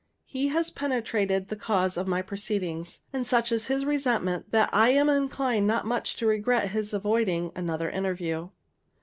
He has penetrated the cause of my proceedings; and such is his resentment, that I am inclined not much to regret his avoiding another interview.